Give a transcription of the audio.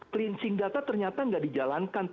cleansing data ternyata tidak dijalankan